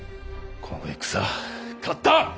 この戦勝った！